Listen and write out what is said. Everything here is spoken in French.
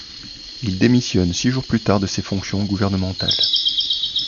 Il démissionne six jours plus tard de ses fonctions gouvernementales.